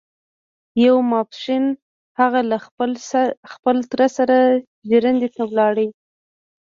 يو ماسپښين هغه له خپل تره سره ژرندې ته لاړ.